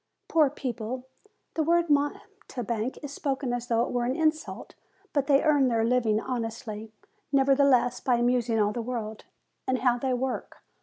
Poor people! The word mountebank is spoken as though it were an insult; but they earn their living honestly, nevertheless, by amusing all the world. And how they work